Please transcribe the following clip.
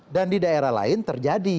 dan di daerah lain terjadi